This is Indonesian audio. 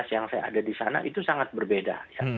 yang saya ada di sana itu sangat berbeda